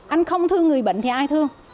anh không thương người bệnh thì ai thương